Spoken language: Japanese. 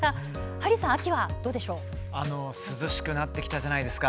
ハリーさんはどうですか。